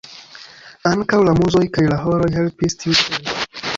Ankaŭ la muzoj kaj la horoj helpis tiucele.